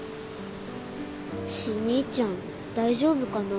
真兄ちゃん大丈夫かな？